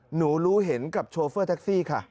หนูรู้เห็นกับโชเฟอร์แท็กซี่ค่ะ